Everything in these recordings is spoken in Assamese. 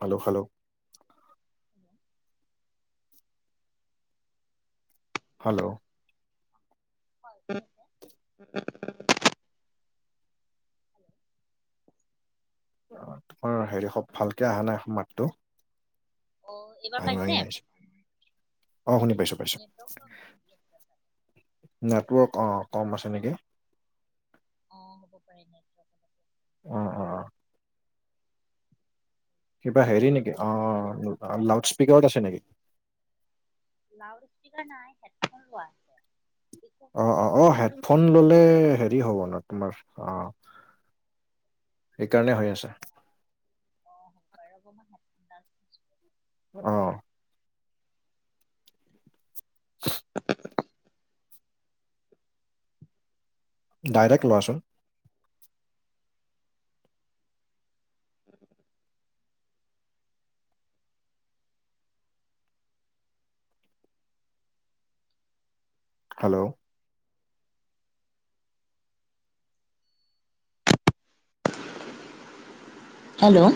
হেল্ল হেল্ল [unintelligible] হেল্ল' [inaudible] তোমাৰ হেৰি সব ভালকে অহা নাই মাতটো অ এইবাৰ ভাঙি পাইছে ভাঙি আহিছে, অ শুনি পাইছো পাইছো। নেটৱৰ্ক প্ৰব্লেম দি আছে নেটৱৰ্ক অ কম আছে নেকি। অ হ'ব পাৰে নেটৱৰ্ক অ অ অ কিবা হেৰি নেকি অ লাউড স্পীকাৰত আছে নেকি? লউড স্পিকাৰ নাই হেডফোন লোৱা আছে। একো অ অ অ হেড ফোন ললে হেৰি হ'ব ন তোমাৰ অ সেইকাৰণে হৈ আছে। অ হ'ব পাৰে ৰ'ব মই হেডফোন ডাল অ। [inaudible] ডাইৰেক্ট লোৱাচোন। [inaudible] হেল্ল' হেল্ল'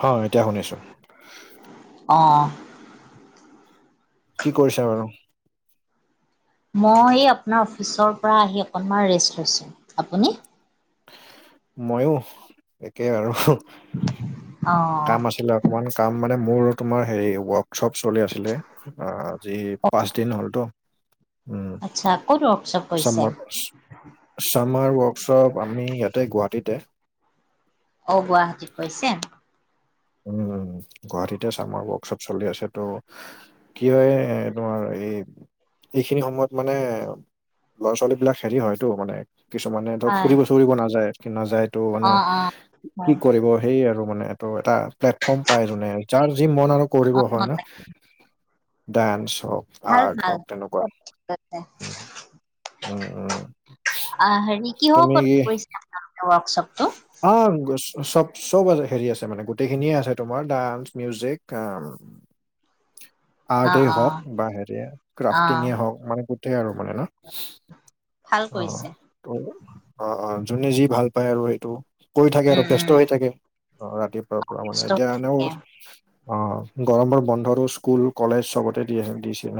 হয় এতিয়া শুনিছো। অ। কি কৰিছা বাৰু? মই আপোনাৰ অফিচৰ পৰা আহি অকণমান ৰেষ্ট লৈছোঁ। আপুনি? মইও একে আৰু অ কাম আছিলপ অকমান কাম মানে মোৰ তোমাৰ হেৰি ৱৰ্কশ্বপ চলি আছিলে। অ আজি পাঁচ দিন হ'ল ত। উম আচ্ছা ক'ত ৱৰ্কশ্বপ কৰিছে চামাৰ ৱৰ্কশ্বপ। আপুনি ইয়াতে গুৱাহাটীতে? অ গুৱাহাটীত কৈছে। উম গুৱাহাটীতে চামাৰ ৱৰ্কশ্বপ চলি আছে ত। কিয় হে তোমাৰ এই এইখিনি সময়ত মানে ল'ৰা ছোৱালী বিলাক হেৰি হয়টো মানে কিছুমানে ধৰ হয় ফুৰিব চুৰিব নাযায়। কি নাযায়টো মানে অ অ কি হয় কৰিব সেই আৰু মানে এট এটা প্লেটফৰ্ম পাই যোনে যাৰ যি মন আৰু কৰিব অ হয় ন ভাল ডান্স হওক আৰ্ট ভাল হওক তেনেকুৱা উ। উম উম তুমি কি [unintelligible] ৱৰ্কশ্বপ ত অ চব চব আজ হেৰি আছে মানে গোটেইখিনিয়ে আছে তোমাৰ ডান্স মিউজিক আ [unintelligible] অ', আৰ্টেই হওক অ', বা হেৰি অ', ক্ৰাফটিঙে হওক মানে গোটেই আৰু মানে ন ভাল অ কৰিছে। ত অ অ যোনে যি ভাল পায় আৰু সেইটো। কৰি থাকে আৰু উম, ব্যস্ত উম, হৈ থাকে অহ ৰাতিপুৱাৰ পৰা মানে ব্যস্ত এতিয়া হৈ এনেও থাকে। অ গৰমৰ বন্ধতো স্কুল কলেজ চবতে দি দিছে ন।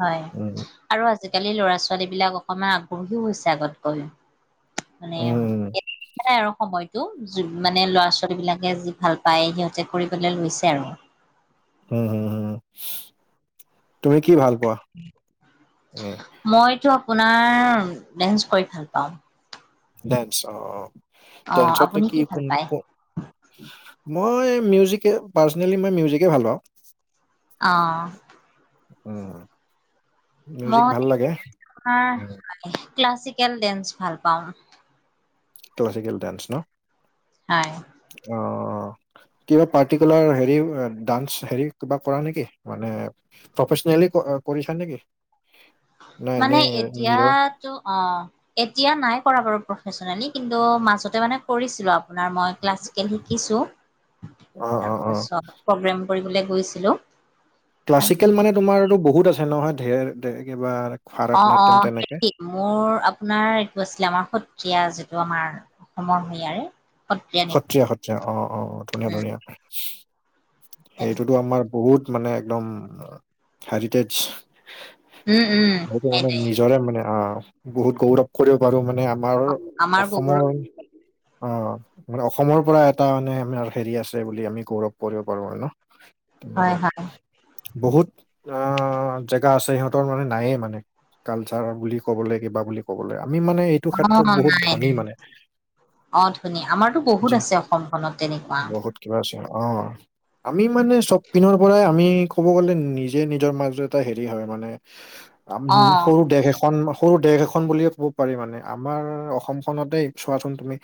হয় উম আৰু আজিকালি লৰা ছোৱালীবিলাক অকমান আগ্ৰহীও হৈছে আগতকৈ। মানে উম উম [unintelligible] নাই আৰু সময় ত মানে ল'ৰা ছোৱালীবিলাকে যি ভাল পায় সিহঁতে কৰিবলে লৈছে আৰু উম হুম হম তুমি কি ভাল পোৱা? মইতো আপোনাৰ ডেন্স কৰি ভাল পাওঁ। ডেন্স অ অ অ', ডেন্সত নো আপুনি কি ভাল কোন পায়? ক মই মিউজিকে পাৰ্চনেলি মই মিউজিকে ভাল পাওঁ। অ উ মিউজিক মই ভাল লাগে। আপোনাৰ ক্লাছিকেল ডেন্স ভাল পাওঁ। ক্লাছিকেল ডান্স ন। হয় অ কিবা পাৰ্টিকুলাৰ হেৰি ডান্স হেৰি কিবা কৰা নেকি মানে প্ৰফেচনেলি কৰিছা নেকি? নাই মানে এনেই নিজৰ এতিয়াতো অ এতিয়া নাই কৰা বাৰু প্ৰফেচনেলী কিন্তু মাজতে মানে কৰিছিলোঁ আপোনাৰ মই ক্লাছ শিকিছো অ অ অ তাৰপাছত প্ৰগ্ৰেম কৰিবলে গৈছিলো। ক্লাছিকেল মানে তোমাৰটো বহুত আছে নহয় ধেৰ কিবা ভাৰত অ অ নাট্যম তেনেকে সে মোৰ আপোনাৰ এইটো আছিলে আমাৰ সত্ৰীয়া যিটো আমাৰ অসমৰ হয় ইয়াৰে। সত্ৰীয়া সত্ৰীয়া অ অ ধুনীয়া ধুনীয়া সেইটোতো আমাৰ বহুত মানে একদম হেৰিটেজ উম উম উম সেইটো মানে সেইটোৱে নিজৰে মানে অ বহুত গৌৰৱ কৰিব পাৰো মানে আমাৰ আমাৰ গৌৰৱ অসমৰ অ মানে অসমৰ পৰা এটা মানে আমাৰ হেৰি আছে বুলি আমি গৌৰৱ কৰিব পাৰো মানে ন হয় তেনেকুৱা হয় বহুত অ জেগা আছে সিহঁতৰ মানে নায়ে মানে কালচাৰ বুলি কবলে কিবা বুলি ক'বলে আমি মানে এই অ নাই নাই অ ধুনীয়া আমাৰতো বহুত যে আছে অসমখনত তেনেকুৱা বহুত কিবা আছে আমি মানে চব পিনৰ পৰাই আমি ক'ব গলে নিজে নিজৰ মাজ এটা হেৰি হয় মানে অ সৰু দেশ এখন সৰু দেশ এখন বুলিয়ে ক'ব পাৰি মানে আমাৰ অসমখনতেই চোৱাচোন তুমি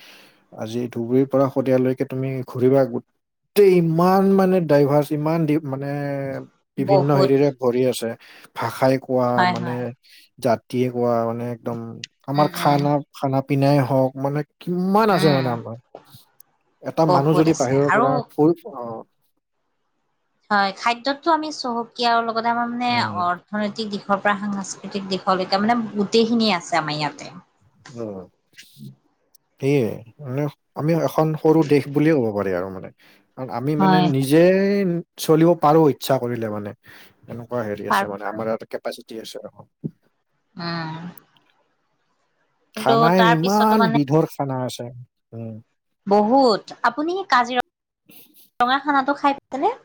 আজি ধুবুৰীৰ পৰা শদিয়ালৈ তুমি ঘূৰিবা গোটেই ইমান মানে ডাইভাৰ্চ ইমান দি মানে বিভিন্ন বহুত হেৰিৰে ভৰি আছে ভাষাই কোৱা হয় মানে হয় জাতিয়ে কোৱা মানে একদম আমাৰ উম উম খানা খানা পিনাই হওক মানে কিমান আছে মানে উম, আমাৰ এটা মানুহ বহুত যদি আছে বাহিৰৰ আৰু পৰা ফুৰি অ হয় খাদ্যটো আমি চহকীয়া আৰু লগত আমাৰ মানে উম, অ অৰ্থনৈতিক দিশৰ পৰা সাংস্কৃতিক দিশলৈকে মানে গোটেইখিনিয়ে আছে আমাৰ ইয়াতে উ সেইয়ে মানে আমি এখন সৰু দেশ বুলিয়ে ক'ব পাৰি আৰু মানে আমি মানে হয়। নি যে চলিব পাৰো ইচ্ছা কৰিলে মানে এনেকুৱা হেৰি আছে পাৰো মানে পাৰো আমাৰ এইয়াতে কেপাচিটি আছে অসম উম কিন্তু খানাই তাৰ পিছতো ইমান মানে বিধৰ খানা আছে উম বহুত আপুনি কাজিৰঙা ৰঙা খানাটো খাই পাইছেনে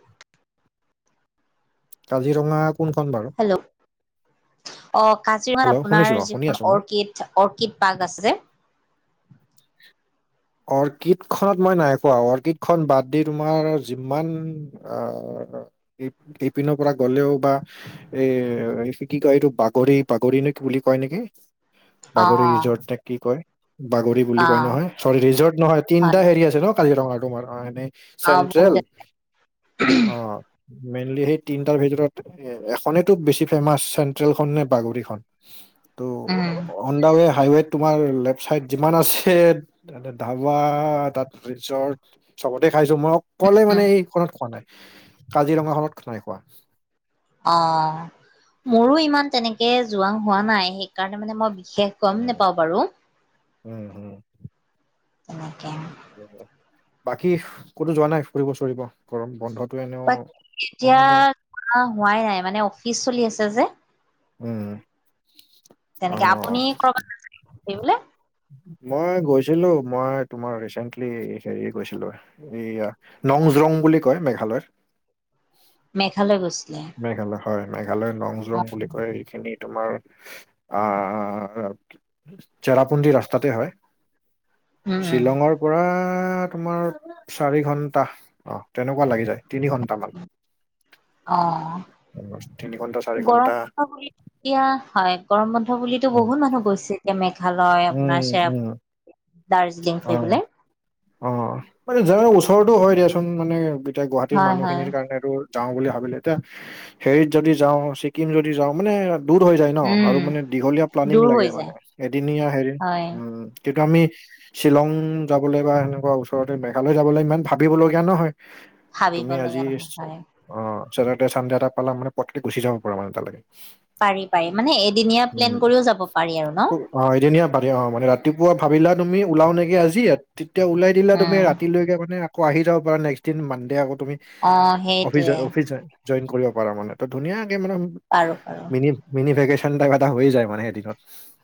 কাজিৰঙা কোনখন বাৰু? হেল্ল' অ কাজিৰঙাত হেল্ল' শুনিছো আপোনাৰ অ শুনি যিখন আছো মই। অৰ্কিড, অৰ্কিড পাৰ্ক আছে। [inaudible] অৰ্কিড খনত মই নাই কোৱা, অৰ্কিড খন বাদ দি তোমাৰ যিমান- আহ ইপ ইপিনৰ পৰা গ'লেও বা- এ কি কয় এইটো পাগৰি পাগৰি নে বুলি কয় নেকি? অ' বাগৰি অ' ৰিজৰ্ট কি কয়! বাগৰি, বুলি কয় অ' নহয়। চৰী ৰিজৰ্ট নহয়, তিনটা হয় হেৰি আছে ন কাজিৰঙা তোমাৰ এ অ' চেন্ট্ৰেল, বহুত অ। মেইনলি সেই তিনটাৰ ভিতৰত এখনেইতো বেছি ফেমাচ চেন্ট্ৰেলখন নে বাগৰিখন। উম, ত' অনদা ৱে হাইৱে তোমাৰ লেফট চাইড যিমান আছে ধাৱা তাত ৰিজৰ্ট, চবতে খাইছো মই অকলে উম, মানে এইখনত খোৱা নাই, কাজিৰঙা খনত নাই খোৱা। অ মোৰো ইমান তেনেকে যোৱা হোৱা নাই, সেইকাৰণে মানে মই বিশেষ গ'ম উম নোপাওঁ বাৰু। উম হুম। তেনেকে। বাকী কতো যোৱা নাই ফুৰিব চুৰিব? গম বন্ধটো এনেও- অ হোৱাই নাই মানে অফিচ চলি আছে যে। অ তেনেকে আপুনি কৰবাত ই বোলে মই গৈছিলো মই তোমাৰ ৰিচেন্টলি হেৰি গৈছিলো। এইয়া নং জং বুলি কয় মেঘালয়ৰ। মেঘালয় গৈছিলে? মেঘালয় হয় মেঘালয় নং জলং অ বুলি কয়। খিনি তোমাৰ আহ- চেৰাপুঞ্জীৰ ৰাস্তাতে হয়। উম উম শ্বিলঙৰ পৰা তোমাৰ চাৰি ঘন্টা অ তেনেকুৱা লাগি যায় তিনি ঘন্টামান। অ। তিনি ঘন্টা চাৰি ঘন্টা গৰম বন্ধ বুলি এতিয়া হয় গৰম বন্ধ বুলিতো উম বহুত মানুহ গৈছে, মেঘালয়, আপোনাৰ উম চেৰাপু- দাৰ্জিলিং অ ফুৰিবলে। অ মানে যাৰ ওচৰতো হয় দিয়াচোন মানে এতিয়া গুৱাহাটীৰ হয় হয় মানুহখিনিৰ কাৰণেতো, যাওঁ বুলি ভাবিলে এতিয়া হেৰিত যদি যাওঁ, ছিক্কিম যদি যাওঁ মানে- দূৰ হৈ যায় ন, উম আৰু মানে দীঘলীয়া প্লানিং দূৰ লাগে হৈ মানে যায় এদিনীয়া হেৰি হয় উম তেতিয়া আমি শ্বিলং যাবলৈ বা তেনেকুৱা ওচৰতে মেঘালয় যাবলৈ ইমান ভাবিব লগীয়া নহয়। ভাবিব তুমি লগা আজি- নহয় হয় অ, চেটাৰদে চানদে এটা পালা মানে পতকে গুচি যাব পৰা মানে তালেকে। পাৰি পাৰি। মানে এদিনীয়া প্লেন কৰিও যাব পাৰি আৰু ন? অ এদিনীয়া ভাৰি অ মানে ৰাতিপুৱা ভাবিলা তুমি ওলাওঁ নেকি আজি, তেতিয়া ওলাই দিলা তুমি উম ৰাতিলৈকে মানে আকৌ আহি যাব পাৰা নেক্স দিন মানদে আকৌ তুমি, অ অফিচ সেইটোৱে অফিচ জইন জ‌ইন কৰিব পাৰা মানে ত ধুনীয়াকে মানে, পাৰো পাৰো। মিনি মিনি ভেকেশন টাইপ এটা হৈয়ে যায় মানে এদিনত।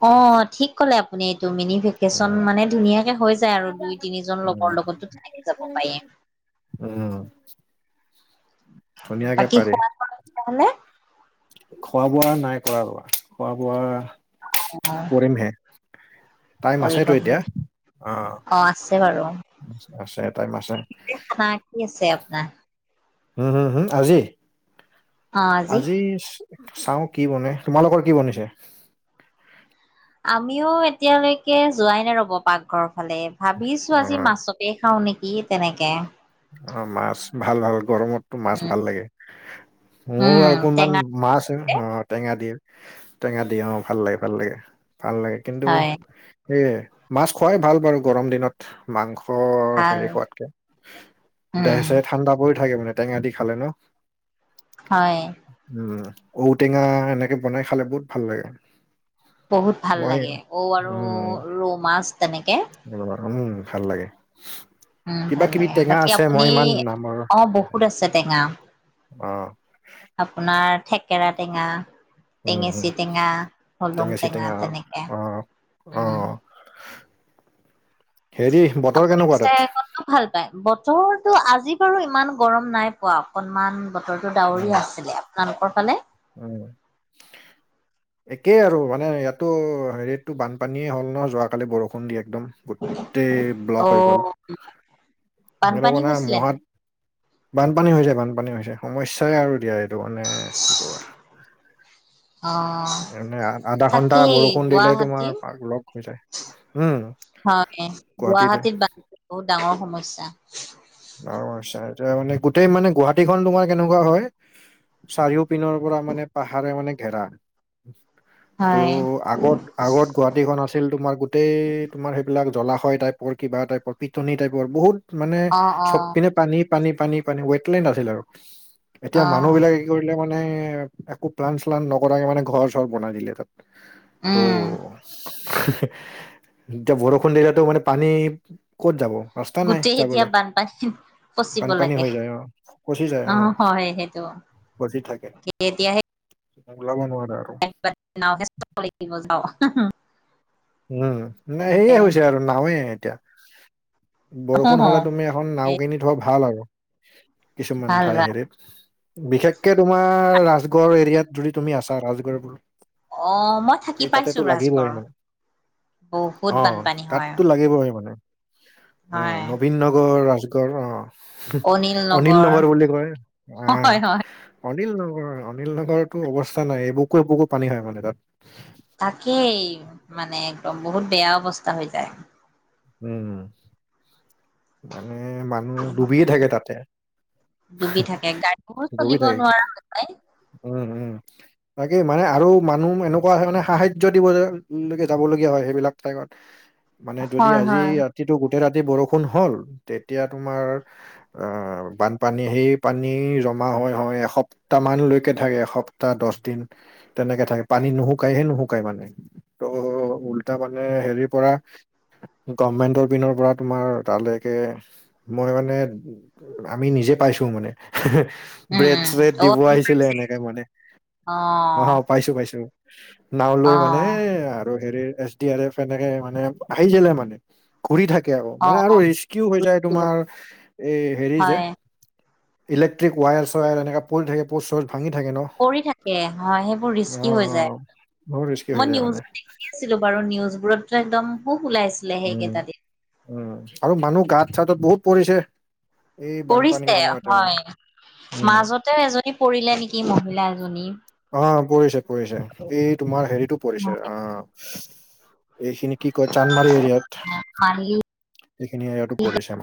অ ঠিক কলে আপুনি এইটো মিনি ভে- কেচন উম, মানে ধুনীয়াকে হৈ যায় আৰু দুই, তিনিজন উম, লগৰ লগতো তেনেকে যাব পাৰেই। উম! ধুনীয়াকে বাকী পাৰি খোৱা-বোৱা হলনে? খোৱা-বোৱা নাই কৰা। খোৱা-বোৱা অঁ! টাইম আছেতো এতিয়া, অ আছে বাৰু আছে টাইম আছে। খানা কি আছে আপোনাৰ? হুম, হুম, হুম, আজি আজি চাও কি বনে, তোমালোকৰ কি বনিছে? আমিও এতিয়ালৈকে যোৱাই নাই ৰ'ব পাকঘৰ ফালে, ভাবিছো আজি অ', মাছক কে খাও নিকি তেনেকে। অ মাছ ভাল, ভাল গৰমতটো মাছ উম ভাল লাগে। মোৰ উম অকমান টেঙা মাছ যে অ টেঙা দি, টেঙা দি অ ভাল লাগে, ভাল লাগে, ভাল লাগে, কিন্তু হয় সেয়ে, মাছ খোৱাই ভাল বাৰু গৰম দিনত মাংস ভাল হেৰি খোৱাতকে। উম দেহ, চেহ ঠাণ্ডা পৰি থাকে মানে টেঙা দি খালে ন! হয়! উম, ঔটেঙা এনেকে বনাই খালে বহুত ভাল লাগে। বহুত ভাল মই লাগে, ঔ আৰু উম, ৰৌ মাছ তেনেকে। উম ভাল লাগে। উম কিবা ভাল কিবি লাগে! টেঙা বাকী আছে মই আপুনি? ইমান নামৰ অ বহুত আছে টেঙা। অ! আপোনাৰ থেকেৰা টেঙা, উম, উম। টেঙেচি টেঙা, হলং টেঙেচি টেঙা, চিটেঙা তেনেকে অ উম! [unintelligible] বতৰ আপুনি কেনেকুৱা পিছে তাত ভাল পাই? বতৰটো আজি বাৰু ইমান গৰম নাই পোৱা। অকনমান বতৰটো উম ডাৱৰীয়া আছিলে। আপোনালোকৰ ফালে? উম! একেই আৰু মানে ইয়াতো হেৰিততো বানপানীয়ে হ'ল ন যোৱাকালি বৰষুণ দি একদম। গোটেই ব্লক হৈ গ'ল, অ', সেইটো বানপানী মানে হৈছিলে মহাত নেকি? বানপানী হৈছে, বানপানী হৈছে সমস্যাই আৰু দিয়া এইটো মানে কি ক'বা অ মানে আ- আধা ঘন্টা তাকেই বৰষুণ দিলে তোমাৰ গুৱাহাটীৰ লগ হৈ যায় উম হয়, গুৱাহাটীতে গুৱাহাটীত বানপানী বহুত ডাঙৰ সমস্যা। অ আচ্ছা, এতিয়া মানে গোটেই মানে গুৱাহাটীখন তোমাৰ কেনেকুৱা হয় চাৰিও পিনৰ পৰা মানে পাহাৰে মানে ঘেৰা। ত, হয় আগত আগত গুৱাহাটীখন আছ আছিল তোমাৰ গোটেই তোমাৰ সেইবিলাক জলাশয় টাইপৰ, কিবা টাইপৰ, পিটনি টাইপৰ বহুত মানে অ', চব অ', পিনে পানী, পানী, পানী, পানী ৱেটলেণ্ড আছিল আৰু এতিয়া মানুহ অ', বিলাকে কি কৰিলে মানে একো প্লান- শ্লান, নকৰাকে মানে ঘৰ চৰ বনাই দিলে তাত। ত উম, এতিয়া বৰষুণ দিলেটো মানে পানী ক'ত যাব? ৰাস্তা নাই গোটেই এতিয়া যাবলে। বানপানীত ফচিব বানপানী লাগে হৈ যায় আহ, ফচি যায় অ আহ, হয় সেইটো পছি থাকে, এতিয়াহে ওলাব নোৱাৰে আৰু। [inaudible] উম ন তেনেকে সেয়ে হৈছে আৰু নাৱে এতিয়া হো বৰষুণ হো হলে তুমি খন এ নাও কিনি থোৱা ভাল আৰু কিছুমান ভাল ঠাই ভাল হেৰিত বিশেষকে তোমাৰ ৰাজগড় এৰিয়াত যদি তুমি আছা ৰাজগড়বোৰ অ' মই থাকি পাইছো ৰাজগড় মানে বহুত অ' বানপানী হয় তাতটো লাগিবই মানে, হয় অ'নবীন নগৰ ৰাজগড় অ অনিল নগৰ বুলি কয় অ হয় হয় অনিল নগৰ অনিল নগৰৰতো অৱস্থা নাই এইবুকু - এবুকো পানী হয় মানে তাত তাকেই মানে একদম বহুত বেয়া অৱস্থা হৈ যায় উম, মানে মান ডুবিয়ে থাকে তাতে, ডুবি থাকে গাড়ীবোৰ ডুবি চলিব থাকে নোৱাৰা হৈ যায় উম উম তাকেই মানে আৰু মানুহ এনেকুৱা হয় মানে সাহায্য দিবলকে যাবলগীয়া হয় সেইবিলাক ঠাইগত মানে যদি হয় আজি হয় ৰাতিটো গোটেই ৰাতি বৰষুণ হল তেতিয়া তোমাৰ বানপানী সেই পানী জমা হয় হয় এসপ্ত তমান লৈকে থাকে এসপ্তাহ দছ দিন তেনেকে থাকে পানী নুশুকাইহে নুশুকাই মানে ত' ওলোটাই মানে হেৰিৰ পৰা গভমেন্টৰ পিনৰ পৰা তোমাৰ তালৈকে মই মানে আমি নিজে পাইছো মানে ব্ৰেড উম -চ্ৰেড অ দিব বুজি আহিছিলে পাইছে এনেকে মানে অ অ পাইছো পাইছো নাও অ লৈ মানে আৰু হেৰি এছ ডি আৰ এফ এনেকে মানে আহিছিলে মানে কৰি থাকে আ অ মানে আৰু ৰিস্কিও হৈ যায় অ তোমাৰ এ হেৰি যে হয় ইলেক্টিক ৱায়াৰ- চয়াৰ এনেকা পৰি থাকে প' চ-'চছ বাঙি থাকে ন পৰি থাকে হয় সেইবোৰ অ ৰিস্কি হৈ যায় অ বহুত ৰিস্কি হৈ মই যায় মানে নিউজত আছিলো বাৰু নিউজবোৰতটো একদম সুখ ওলাইছিল উম উম আৰু মানুহ গাত- চাতত বহুত পৰিছে এই বানপানীৰ পৰিছে সময়তে মানে হয় উম মাজতেও এজনী পৰিলে নেকি মহিলা এজনী অ' পৰিছে পৰিছে এই তোমাৰ হেৰিতটো পৰিছে অ এইখিনি কি কয় চানমাৰি এৰিয়াত মালি এইখিনি এৰিয়াাতটো পৰিছে মানে